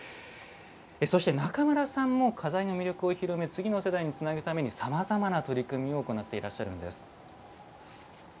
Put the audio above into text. そして中村さんも錺の魅力を広め次の世代につなぐためにさまざまな取り組みを行っていらっしゃるんです。